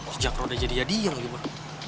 jejak rode jadi jadi yang nih boy